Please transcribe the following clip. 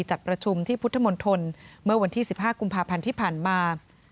จัดประชุมที่พุทธมนตรเมื่อวันที่๑๕กุมภาพันธ์ที่ผ่านมา